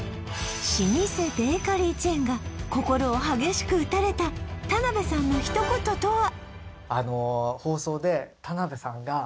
老舗ベーカリーチェーンが心を激しく打たれた田辺さんの一言とは？